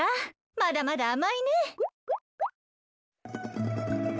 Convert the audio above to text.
まだまだあまいね！